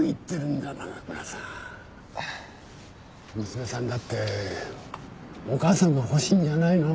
娘さんだってお母さんが欲しいんじゃないの？